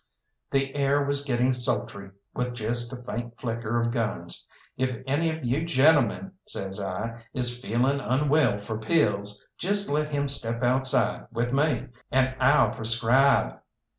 The air was getting sultry, with just a faint flicker of guns. "If any of you gentlemen," says I, "is feeling unwell for pills, just let him step outside with me, and I'll prescribe.